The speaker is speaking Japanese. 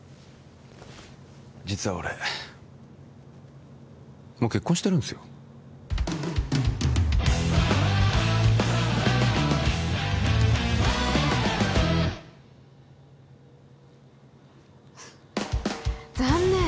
実は俺もう結婚してるんですよ残念！